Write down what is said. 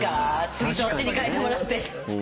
次そっちにかえてもらって。